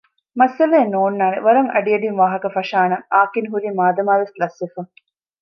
މައްސަލައެއް ނޯންނާނެވަރަށް އަޑިއަޑިން ވާހަކަ ފަށާނަން އާކިން ހުރީ މާދަމާވެސް ލަސްވެފަ